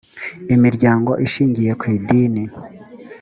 imiryango ishingiye ku idini